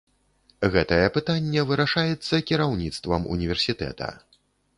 Гэтае пытанне вырашаецца кіраўніцтвам універсітэта.